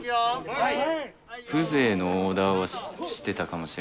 はい！